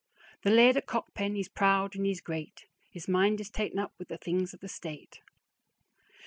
The Laird o' Cockpen he's proud and he's great; His mind is ta'en up wi' the things of the state.